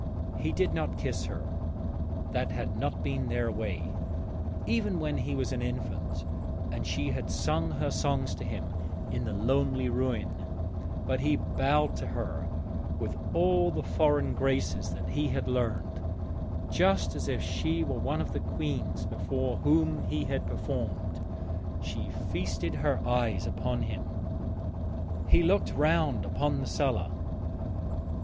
He did not kiss her that had not been their way, even when he was an infant and she had sung her songs to him in the lonely ruin but he bowed to her with all the foreign graces that he had learned, just as if she were one of the queens before whom he had performed. She feasted her eyes upon him. He looked round upon the cellar.